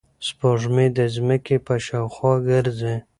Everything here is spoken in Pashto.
سپوږمۍ د ځمکې په شاوخوا ګرځي.